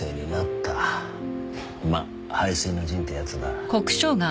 まっ背水の陣ってやつだ。